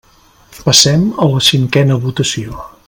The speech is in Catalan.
Passem a la cinquena votació.